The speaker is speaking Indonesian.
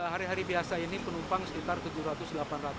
hari hari biasa ini penumpang sekitar tujuh ratus delapan ratus